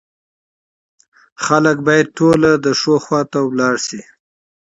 خلک بايد يو له له سره د ښو خوا ته ولاړ سي